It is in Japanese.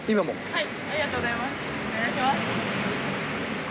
はい。